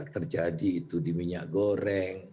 terjadi itu di minyak goreng